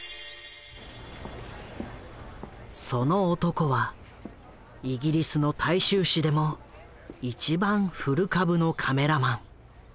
その男はイギリスの大衆紙でも一番古株のカメラマン。